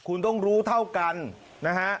คุณต้องรู้เท่ากันนะฮะ